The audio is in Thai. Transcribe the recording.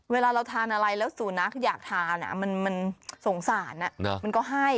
เวลาเราทานอะไรแล้วสูนักอยากทานมันสงสารมันก็ให้